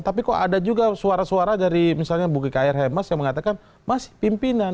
tapi kok ada juga suara suara dari misalnya bukik air hemas yang mengatakan masih pimpinan